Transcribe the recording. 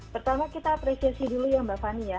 pertama kita apresiasi dulu ya mbak fani ya